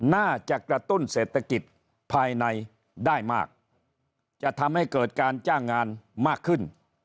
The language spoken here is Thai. น่าจะกระตุ้นเศรษฐกิจภายในได้มากจะทำให้เกิดการจ้างงานมากขึ้น